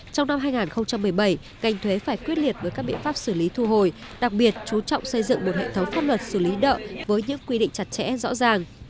trong năm hai nghìn một mươi bảy ngành thuế phải quyết liệt với các biện pháp xử lý thu hồi đặc biệt chú trọng xây dựng một hệ thống pháp luật xử lý nợ với những quy định chặt chẽ rõ ràng